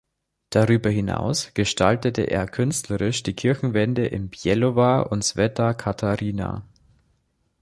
Darüber hinaus gestaltete er künstlerisch die Kirchenwände in Bjelovar und Sveta Katarina.